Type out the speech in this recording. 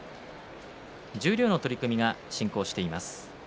十両の取組が進行しています。